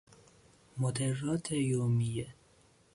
مدرات یومیه